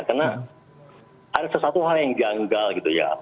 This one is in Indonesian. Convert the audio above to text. karena ada sesuatu hal yang ganggal gitu ya